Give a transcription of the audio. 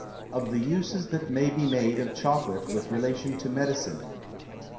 Of the Uses that may be made of Chocolate with relation to Medicine.